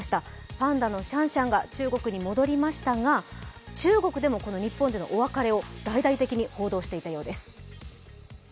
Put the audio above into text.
パンダのシャンシャンが中国に戻りましたが、中国でも、日本でのお別れを大々的に報道していたようです。